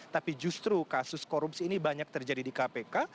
tapi justru kasus korupsi ini banyak terjadi di kpk